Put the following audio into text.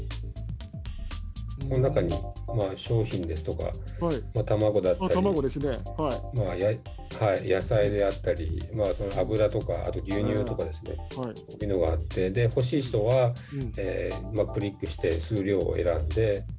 この中に商品ですとか、卵だったり、野菜であったり、油とか、あと牛乳とかというのがあって、欲しい人はクリックして数量を選んで。